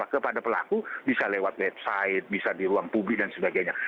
kepada pelaku bisa lewat website bisa di ruang publik dan sebagainya